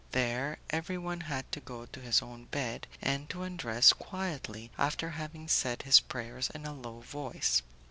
There, everyone had to go to his own bed, and to undress quietly after having said his prayers in a low voice.